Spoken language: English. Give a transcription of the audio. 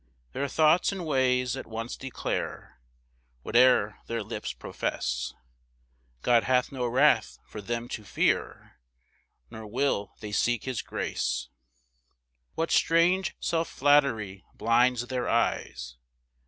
2 Their thoughts and ways at once declare (Whate'er their lips profess) God hath no wrath for them to fear, Nor will they seek his grace. 3 What strange self flattery blinds their eyes!